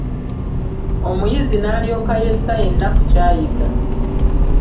Omuyizi n'alyoka yessa yenna ku ky'ayiga.